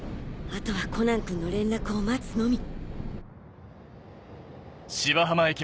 あとはコナン君の連絡を待つのみ。